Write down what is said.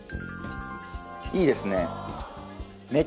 いいですね。